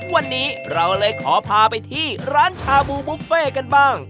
วันนี้เราเลยขอพาไปที่ร้านชาบูบุฟเฟ่กันบ้าง